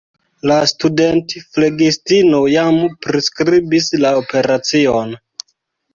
La studentflegistino jam priskribis la operacion.